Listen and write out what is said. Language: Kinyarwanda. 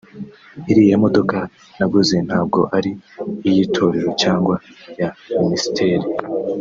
Iriya modoka naguze ntabwo ari iy’Itorero cyangwa ya Ministeri